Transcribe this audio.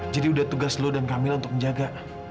jadi udah tugas lo dan kamilah untuk menjaga